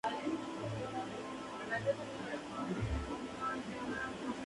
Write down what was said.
Por otro lado, es mucho más fácil de mantenerlo.